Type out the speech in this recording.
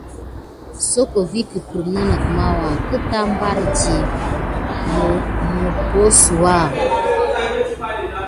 Soko vikeppremk màwuà nəgət mbardi mubosuwa.